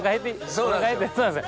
そうなんですよ。